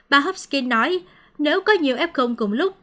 bà hopkins nói nếu có nhiều f cùng lúc